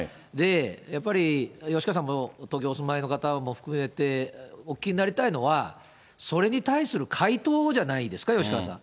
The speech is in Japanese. やっぱり吉川さんも東京お住まいの方も含めて、お聞きになりたいのは、それに対する回答じゃないですか、吉川さん。